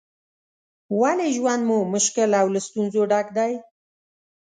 ولې ژوند مو مشکل او له ستونزو ډک دی؟